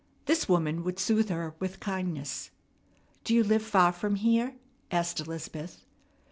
This woman would soothe her with kindness. "Do you live far from here?" asked Elizabeth.